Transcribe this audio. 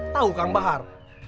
tahu kang bahar